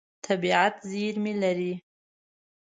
طبیعت زېرمې لري.